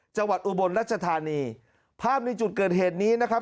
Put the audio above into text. อุบลรัชธานีภาพในจุดเกิดเหตุนี้นะครับ